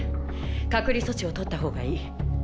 隔離措置をとった方がいい。